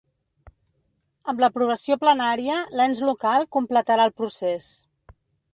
Amb l’aprovació plenària, l’ens local completarà el procés.